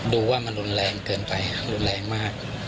ดูว่ามันรุนแรงเกินไปรุนแรงมาก